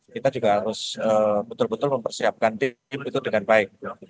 kita juga harus betul betul mempersiapkan tim itu dengan baik